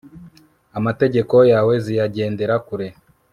amategeko yawe ziyagendera kure